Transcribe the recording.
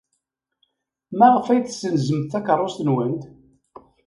Maɣef ay tessenzemt takeṛṛust-nwent?